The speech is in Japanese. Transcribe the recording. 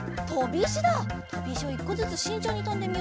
とびいしを１こずつしんちょうにとんでみよう。